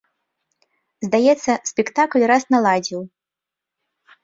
Здаецца, спектакль раз наладзіў.